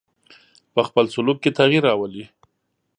په خپل سلوک کې تغیر راولي.